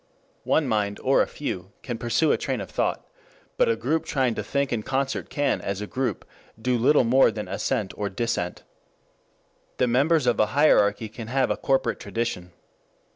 One mind, or a few can pursue a train of thought, but a group trying to think in concert can as a group do little more than assent or dissent. The members of a hierarchy can have a corporate tradition.